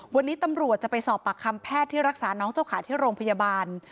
วันนี้ตำรวจจะไปสอบปากคำแพทย์ที่รักษาน้องเจ้าขาที่โรงพยาบาล